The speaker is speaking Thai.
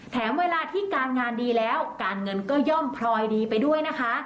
แถมเวลาที่การงานดีแล้วการเงินก็ย่อมพลอยดีไปด้วยนะคะ